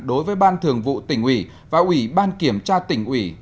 đối với ban thường vụ tỉnh ủy và ủy ban kiểm tra tỉnh ủy